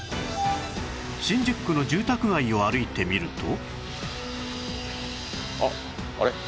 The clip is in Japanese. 新宿区の住宅街を歩いてみると